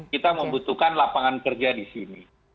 kita membutuhkan lapangan kerja di sini